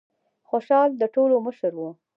خوشال د ټولو مشر و.